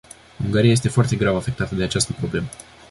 Ungaria este foarte grav afectată de această problemă.